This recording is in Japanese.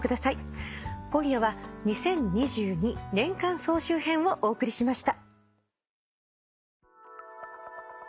今夜は２０２２年間総集編をお送りしました。